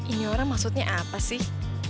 ini orang maksudnya apa sih